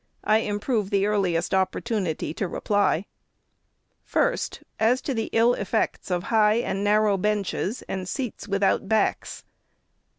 I improve the earliest opportunity to reply. 663 564 APPENDIX. First, as to the ill effects of high and narrow benches, and seats without backs.